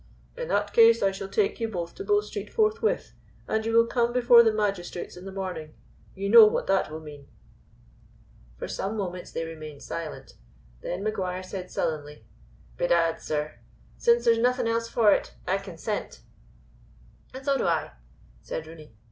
"In that case I shall take you both to Bow Street forthwith, and you will come before the magistrates in the morning. You know what that will mean." For some moments they remained silent. Then Maguire said sullenly: "Bedad, sir, since there's nothing else for it, I consent." "And so do I," said Rooney.